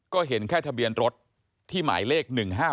ก็เห็นแค่ทะเบียนรถที่หมายเลข๑๕๗